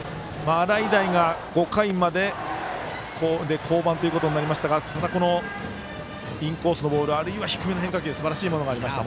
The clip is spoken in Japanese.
洗平が５回で降板となりましたがインコースのボールあるいは低めの変化球すばらしいものがありましたね。